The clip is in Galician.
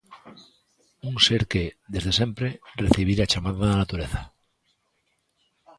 Un ser que, desde sempre, recibira a chamada da natureza.